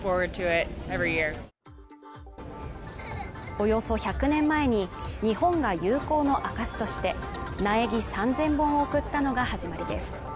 およそ１００年前に日本が友好の証として苗木３，０００本を贈ったのが始まりです。